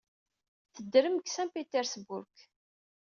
Teddrem deg Saint Petersburg.